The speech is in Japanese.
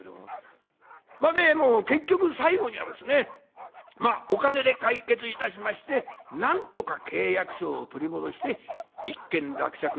結局最後にはですねお金で解決いたしましてなんとか契約書を取り戻して一件落着したわけですけども。